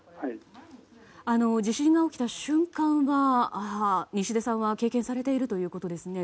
地震が起きた瞬間は西出さんは経験されているということですね。